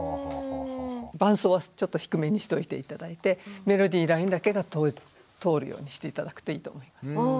伴奏はちょっと低めにしといて頂いてメロディーラインだけが通るようにして頂くといいと思います。